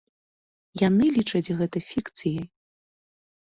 Яны лічаць гэта фікцыяй.